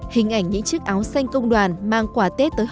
hình ảnh những chiếc áo xanh công đoàn mang quả tết tới họ